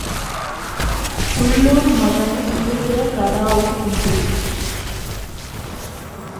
உள்ளூர் மருமகனும் உழுகிற கடாவும் ஒன்று.